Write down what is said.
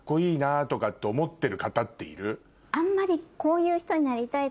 あんまり。